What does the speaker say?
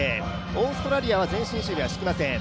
オーストラリアは前進守備は敷きません。